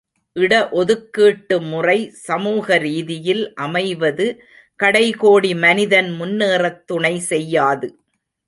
இட ஒதுக்கீட்டு முறை சமூக ரீதியில் அமைவது கடை கோடி மனிதன் முன்னேறத் துணை செய்யாது.